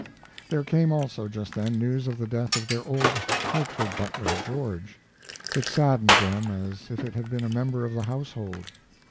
There came also, just then, news of the death of their old Hartford butler, George. It saddened them as if it had been a member of the household.